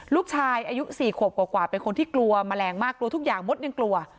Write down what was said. ลูกชายอายุ๔ขวบกว่าเป็นคนที่กลัวแมลงมากกลัวทุกอย่างมดยังกลัว